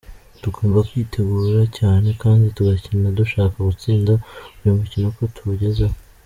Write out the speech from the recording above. Tugomba kwitegura cyane kandi tugakina dushaka gutsinda buri mukino uko tuwugezeho.